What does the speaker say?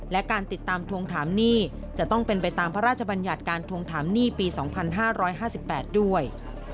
และการติดตามทวงถามหนี้จะต้องเป็นไปตามพระราชบัญญัติการทวงถามหนี้ปี๒๕๕๘ด้วย